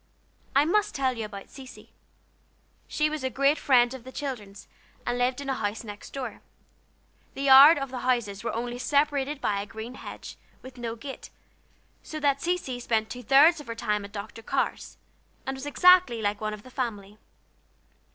I must tell you about Cecy. She was a great friend of the children's, and lived in a house next door. The yards of the houses were only separated by a green hedge, with no gate, so that Cecy spent two thirds of her time at Dr. Carr's, and was exactly like one of the family.